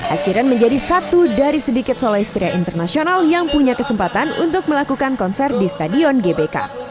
ed sheeran menjadi satu dari sedikit soleh istria internasional yang punya kesempatan untuk melakukan konser di stadion gbk